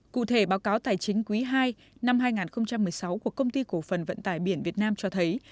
cụ thể báo cáo tài chính quý ii năm hai nghìn một mươi sáu của công ty cổ phần vận tải biển việt nam cho thấy